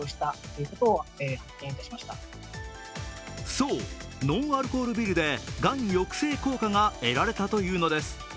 そう、ノンアルコールビールでがん抑制効果が得られたというのです。